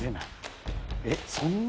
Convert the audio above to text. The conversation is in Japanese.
えっそんな。